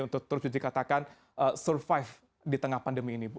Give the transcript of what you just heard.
untuk terus dikatakan survive di tengah pandemi ini bu